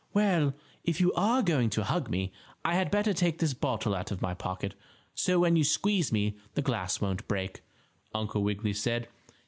"Well, if you are going to hug me I had better take this bottle out of my pocket, so when you squeeze me the glass won't break," Uncle Wiggily said.